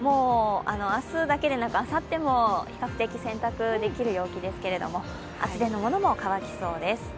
明日だけでなくあさっても比較的洗濯できる陽気ですけれども、厚手のものも乾きそうです。